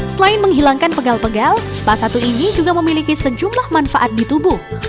selain menghilangkan pegal pegal spa satu ini juga memiliki sejumlah manfaat di tubuh